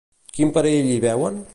Quin perill hi veuen?